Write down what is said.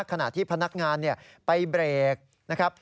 ขณะที่พนักงานไปเบรกนะครับ